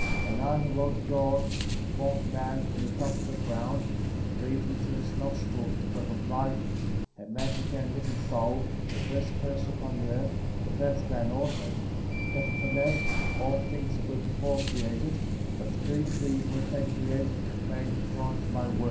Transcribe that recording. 7. And I, the Lord God, formed man from the dust of the ground,® and breathed into his nostrils the breath of life;^ and man became a living soul,^ the first flesh upon the earth, the first man^ also; nevertheless, all things were before created; but spiritually were they created and made according to my word.